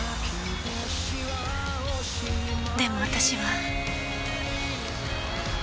でも私は。